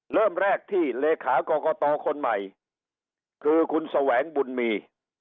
เริ่มแรกที่เลขากรกตคนใหม่คือคุณแสวงบุญมี